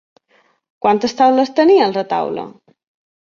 Quantes taules tenia el retaule?